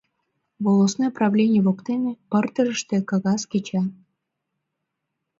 Волостной правлений воктене пырдыжыште кагаз кеча.